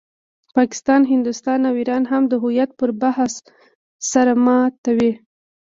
پاکستان، هندوستان او ایران هم د هویت پر بحث سر ماتوي.